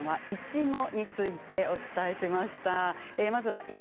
いちごについてお伝えしました。